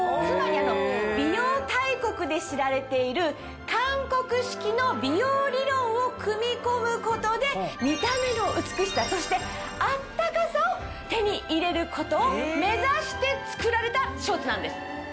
つまり美容大国で知られている韓国式の美容理論を組み込むことで見た目の美しさそして温かさを手に入れることを目指して作られたショーツなんです。